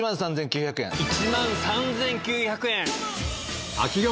１万３９００円。